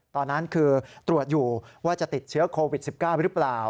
ตอนนั้นคือตรวจอยู่ว่าจะติดเชื้อโควิด๑๙หรือเปล่า